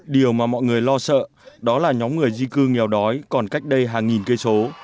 điều mà mọi người lo sợ đó là nhóm người di cư nghèo đói còn cách đây hàng nghìn cây số